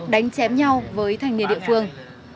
đánh chém nhau với thanh niên địa phương